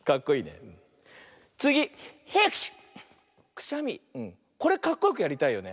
くしゃみこれかっこよくやりたいよね。